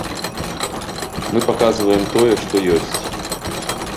Мы паказваем тое, што ёсць.